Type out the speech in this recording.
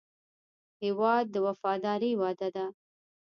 هېواد د وفادارۍ وعده ده.